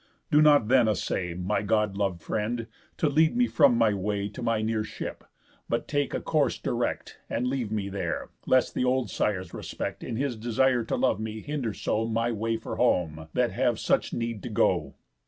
Do not then assay, My God lov'd friend, to lead me from my way To my near ship, but take a course direct And leave me there, lest thy old sire's respect, In his desire to love me, hinder so My way for home, that have such need to go."